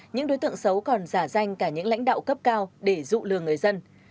những đối tượng xấu còn giả danh cả những lãnh đạo cấp cao để dụ lừa người dân